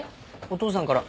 お父さんから。